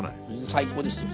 最高ですよ。